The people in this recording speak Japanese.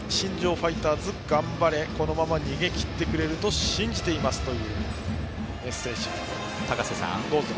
ファイターズ頑張れ、このまま逃げ切ってくれると信じていますというメッセージが届いております。